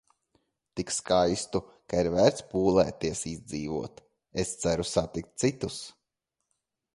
Tik skaistu, ka ir vērts pūlēties izdzīvot. Es ceru satikt citus.